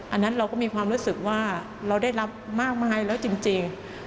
อันนั้นเราก็มีความรู้สึกว่าเราได้รับมากมายแล้วจริง